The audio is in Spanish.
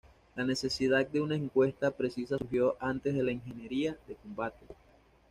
La necesidad de una encuesta precisa surgió antes de la ingeniería de combate.